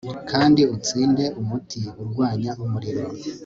Kandi utsinde umuti urwanya umuriro